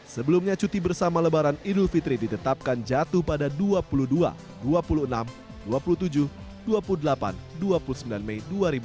sebelumnya cuti bersama lebaran idul fitri ditetapkan jatuh pada dua puluh dua dua puluh enam dua puluh tujuh dua puluh delapan dua puluh sembilan mei dua ribu dua puluh